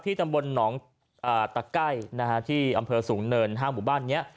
ที่ตำบลหนองตะไก้นะครับที่อำเภอสูงเนิน๕หมู่บ้านเนี่ย